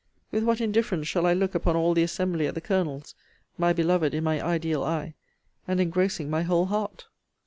with what indifference shall I look upon all the assembly at the Colonel's, my beloved in my ideal eye, and engrossing my whole heart?